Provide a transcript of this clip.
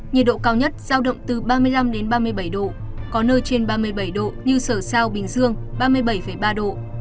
nhiệt độ cao nhất giao động từ ba mươi năm ba mươi bảy độ có nơi trên ba mươi bảy độ như sở sao bình dương ba mươi bảy ba độ